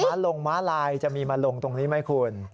ลงม้าลายจะมีมาลงตรงนี้ไหมคุณ